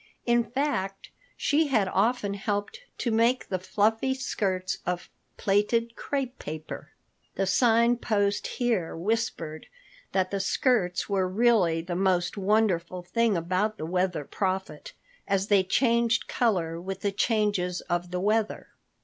In fact, she had often helped to make the fluffy skirts of plaited crépe paper. The Sign Post here whispered that the skirts were really the most wonderful thing about the Weather Prophet, as they changed color with the changes of the weather.